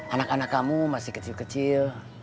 anak anak kamu masih kecil kecil